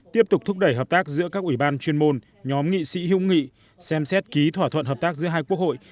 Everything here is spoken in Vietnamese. tiếp tục thúc đẩy hợp tác giữa các ủy ban chuyên môn nhóm nghị sĩ hữu nghị xem xét ký thỏa thuận hợp tác giữa hai quốc hội